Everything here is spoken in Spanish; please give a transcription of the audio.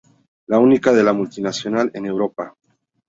La única de la multinacional en Europa.